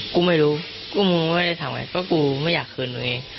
กูไม่รู้กูมึงไม่ได้ทำไงเพราะกูไม่อยากคืนตัวเอง